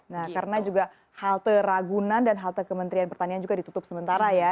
nah karena juga halte ragunan dan halte kementerian pertanian juga ditutup sementara ya